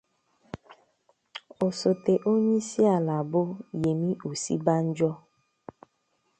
Osote onye isi ala bụ Yemi Osinbajo